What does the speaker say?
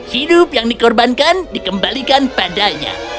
hidup yang dikorbankan dikembalikan padanya